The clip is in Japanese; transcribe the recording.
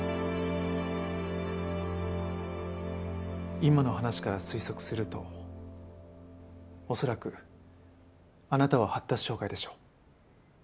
今の話から推測すると恐らくあなたは発達障害でしょう。